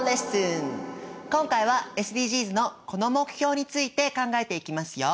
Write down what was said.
今回はＳＤＧｓのこの目標について考えていきますよ。